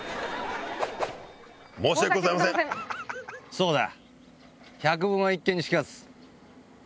そうだ。